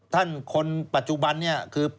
คนปัจจุบันนี้คือ